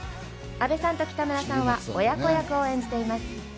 阿部さんと北村さんは親子役を演じています。